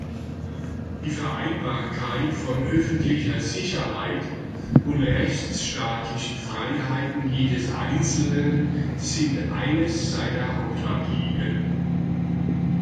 Die Vereinbarkeit von öffentlicher Sicherheit und rechtsstaatlichen Freiheiten jedes Einzelnen sind eines seiner Hauptanliegen.